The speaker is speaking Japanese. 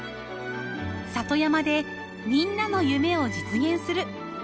里山でみんなの夢を実現する。